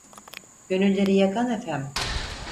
Gönülleri yakan efem.